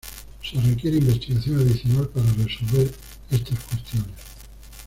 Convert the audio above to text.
Se requiere investigación adicional para resolver estas cuestiones.